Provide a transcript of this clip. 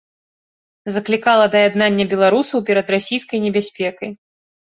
Заклікала да яднання беларусаў перад расійскай небяспекай.